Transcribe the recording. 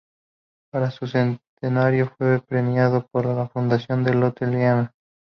Para su centenario fue premiado por la fundación Lotte Lehmann.